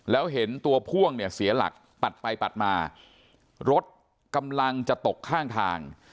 แล้วเห็นตัวพ่วงเนี่ยเสียหลักปัดไปปัดมารถกำลังจะตกข้างทาง